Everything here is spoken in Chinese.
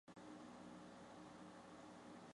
以下列出那些热带气旋的资料。